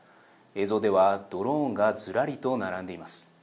映像では、ドローンがずらりと並んでいます。